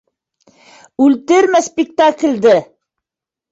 Үлтермә спектаклде!